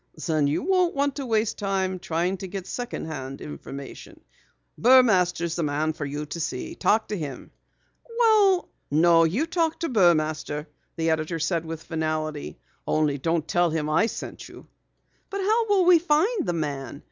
"Then you don't want to waste time trying to get second hand information. Burmaster's the man for you to see. Talk to him." "Well " "No, you talk to Burmaster," the editor said with finality. "Only don't tell him I sent you." "But how will we find the man?"